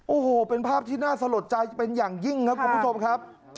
โอ้โหเป็นภาพที่น่าสลดใจเป็นอย่างยิ่งครับคุณผู้ชมครับ